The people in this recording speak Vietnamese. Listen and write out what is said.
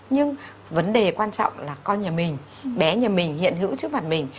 nhưng vấn đề quan trọng là con nhà mình bé nhà mình hiện hữu trước mặt mình